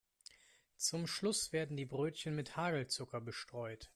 Zum Schluss werden die Brötchen mit Hagelzucker bestreut.